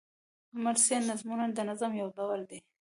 مرثیه نظمونه د نظم یو ډول دﺉ.